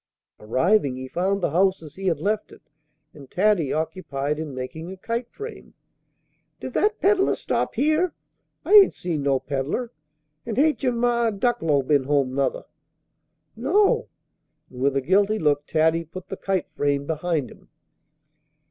Arriving, he found the house as he had left it, and Taddy occupied in making a kite frame. "Did that peddler stop here?" "I hain't seen no peddler." "And hain't yer Ma Ducklow been home, nuther?" "No." And, with a guilty look, Taddy put the kite frame behind him.